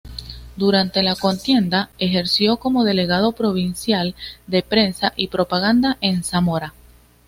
Durante la contienda ejerció como delegado provincial de Prensa y Propaganda en Zamora.